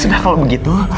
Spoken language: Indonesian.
ya sudah kalau begitu